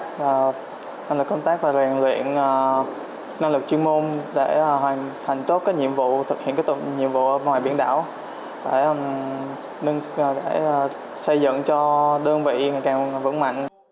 nâng cao năng lực công tác và rèn luyện năng lực chuyên môn để hoàn thành tốt các nhiệm vụ thực hiện các nhiệm vụ ngoài biển đảo để xây dựng cho đơn vị ngày càng vững mạnh